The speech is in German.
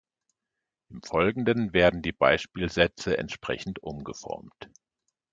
Im Folgenden werden die Beispielsätze entsprechend umgeformt: